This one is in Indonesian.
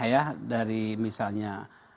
ya dari misalnya